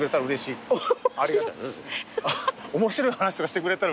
面白い話とかしてくれたらうれしい。